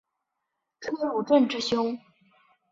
车汝震之兄。